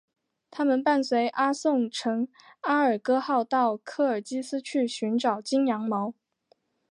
他们伴随伊阿宋乘阿尔戈号到科尔基斯去寻找金羊毛。